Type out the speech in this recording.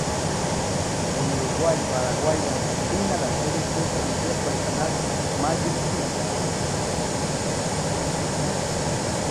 En Uruguay, Paraguay y Argentina la serie fue transmitida por el canal Magic Kids.